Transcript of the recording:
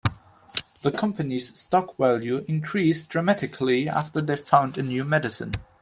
The company's stock value increased dramatically after they found a new medicine.